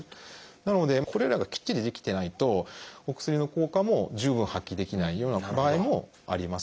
なのでこれらがきっちりできてないとお薬の効果も十分発揮できないような場合もあります。